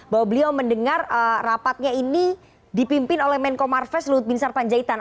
bahwa beliau mendengar rapatnya ini dipimpin oleh menko marves luhut bin sarpanjaitan